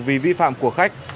vì vi phạm của khách hàng